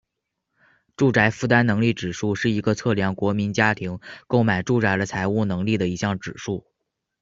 住宅负担能力指数是一个测量国民家庭购买住宅的财务能力的一项指数。